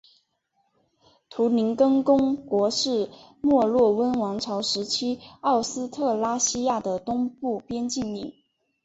图林根公国是墨洛温王朝时期奥斯特拉西亚的东部边境领。